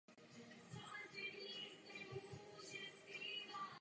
Zemřela krátce před odchodem do důchodu.